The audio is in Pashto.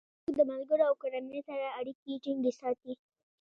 فېسبوک د ملګرو او کورنۍ سره اړیکې ټینګې ساتي.